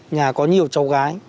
nhà có nhiều cháu gái